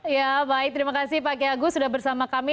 ya baik terima kasih pak kia agus sudah bersama kami